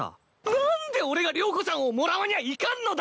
何で俺が了子ちゃんをもらわにゃいかんのだ！？